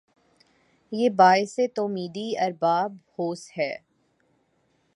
یہ باعث تومیدی ارباب ہوس ھے